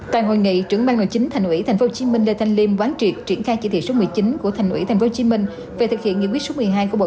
tại hội nghị trưởng bang nội chính thành ủy tp hcm lê thanh liêm quán triệt triển khai chỉ thị số một mươi chín của thành ủy tp hcm